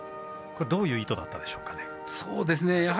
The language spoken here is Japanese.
どういう意図だったでしょうか。